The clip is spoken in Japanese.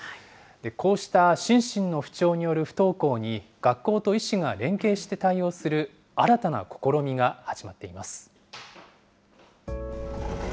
こうした心身の不調による不登校に学校と医師が連携して対応する、新たな試みが始まっています。